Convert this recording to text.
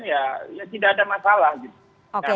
ya tidak ada masalah gitu